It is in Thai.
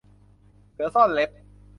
เสือซ่อนเล็บ